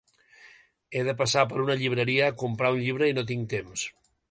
He de passar per una llibreria a comprar un llibre i no tinc temps.